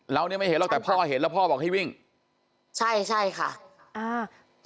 เนี้ยไม่เห็นหรอกแต่พ่อเห็นแล้วพ่อบอกให้วิ่งใช่ใช่ค่ะอ่า